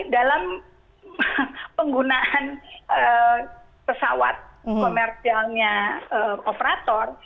dalam penggunaan pesawat komersialnya operator